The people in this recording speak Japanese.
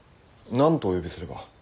何とお呼びすれば。